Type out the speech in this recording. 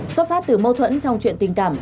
xuất phát từ mâu thuẫn trong chuyện tình cảm